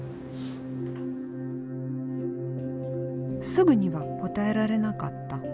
すぐには答えられなかった。